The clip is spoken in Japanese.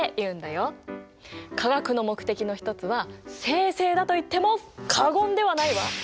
化学の目的の一つは精製だといっても過言ではないわ！